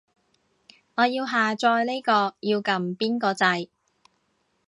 我要下載呢個，要撳邊個掣